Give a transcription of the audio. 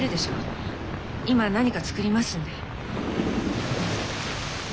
今何か作りますんで。